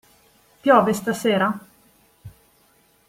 Piove stasera?